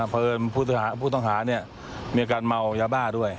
เพราะเอิญผู้ต้องหามีอาการเมายาบ้าด้วย